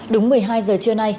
đúng một mươi hai giờ trưa nay